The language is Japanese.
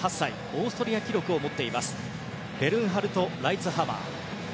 オーストリア記録を持っていますベルンハルト・ライツハマー。